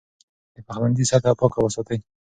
د پخلنځي سطحه پاکه وساتئ.